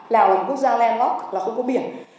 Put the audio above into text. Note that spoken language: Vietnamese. lào là một quốc gia landlock là không có biển